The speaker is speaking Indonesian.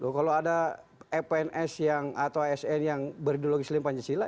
kalau ada pns atau asn yang berideologi selain pancasila